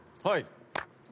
はい。